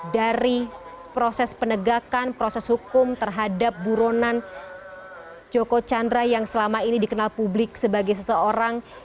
dari proses penegakan proses hukum terhadap buronan joko chandra yang selama ini dikenal publik sebagai seseorang